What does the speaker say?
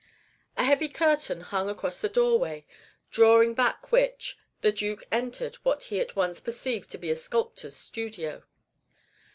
A heavy curtain hung across the doorway; drawing back which, the Duke entered what he at once perceived to be a sculptor's studio.